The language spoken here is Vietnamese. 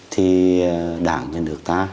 thì đảng nhà nước ta